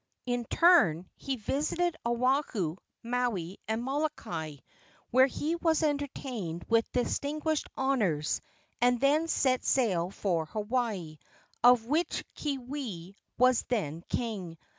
In turn he visited Oahu, Maui and Molokai, where he was entertained with distinguished honors, and then set sail for Hawaii, of which Keawe was then king.